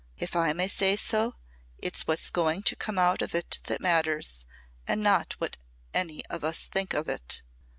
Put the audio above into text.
"If I may say so, it's what's going to come out of it that matters and not what any of us think of it.